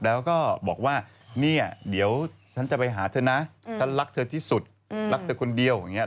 แล้วก็บอกว่าเนี่ยเดี๋ยวฉันจะไปหาเธอนะฉันรักเธอที่สุดรักเธอคนเดียวอย่างนี้